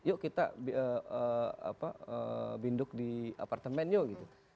yuk kita binduk di apartemen yuk gitu